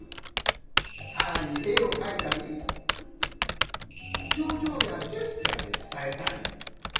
さらにえをかいたりひょうじょうやジェスチャーでつたえたり。